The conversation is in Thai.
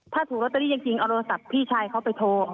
ถ้าถูกลอตเตอรี่จริงเอาโทรศัพท์พี่ชายเขาไปโทร